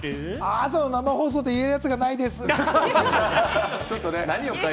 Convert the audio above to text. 朝の生放送で言えるやつがないです。